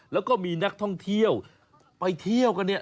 และก็มีนักท่องเที่ยวไปเที่ยวกัน